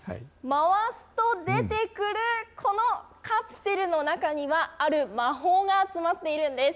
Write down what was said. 回すと出てくる、このカプセルの中には、ある魔法が詰まっているんです。